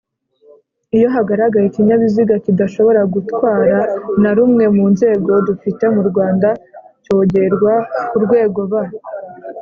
iyo hagaragaye ikinyabiziga kidashobora gutwara na rumwe munzego dufite mu Rwanda cyogerwa kurwego B